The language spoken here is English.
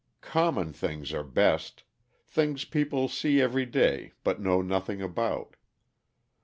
Common things are best things people see every day but know nothing about.'